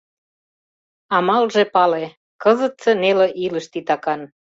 Амалже пале: кызытсе неле илыш титакан.